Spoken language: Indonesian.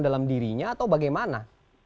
dalam dirinya atau bagaimana